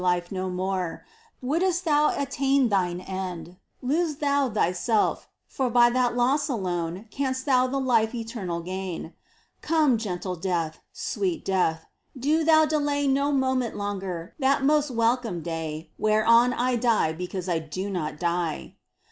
Life, no more ! wouldst thou attain Thine end, lose thou thyself, for by that loss Alone canst thou the life eternal gain ! Come, gentle Death, sweet Death, do thou delay No moment longer that most welcome day Whereon I die because I do not die